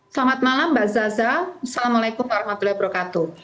selamat malam mbak zaza assalamualaikum warahmatullahi wabarakatuh